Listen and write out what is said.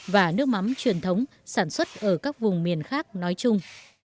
và nước mắm truyền thống sản xuất ở các vùng miền khác nói chung